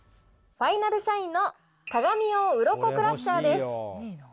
ファイナルシャインの鏡用ウロコクラッシャーです。